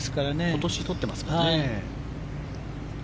今年取ってますからね。